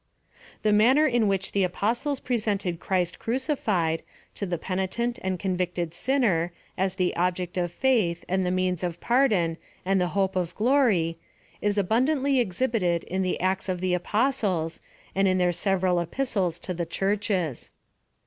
The manner in which the apostles presented Christ crucified, to the penitent and convicted sin ner, as the object of faith, and the means of pardon, and the hope of glory, is abundantly exhibited in the Acts of the Apostles, and in their several epistles to the churches.